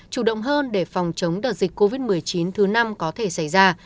chủ động hơn để phòng chống đợt dịch covid một mươi chín thứ năm có thể xảy ra